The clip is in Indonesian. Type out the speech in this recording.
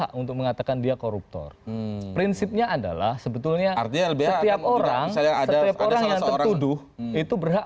ujung ujungnya revisi ya undang undang tadilus